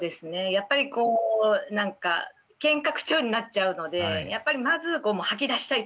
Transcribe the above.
やっぱりこうなんかけんか口調になっちゃうのでやっぱりまず吐き出したいというか。